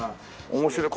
面白い。